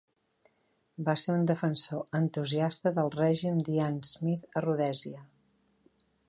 Va ser un defensor entusiasta del règim d'Ian Smith a Rhodèsia.